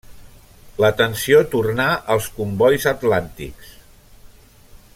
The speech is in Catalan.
L'atenció tornà als combois atlàntics.